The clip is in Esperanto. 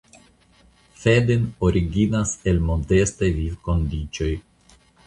Fedin originas el modestaj vivkondiĉoj.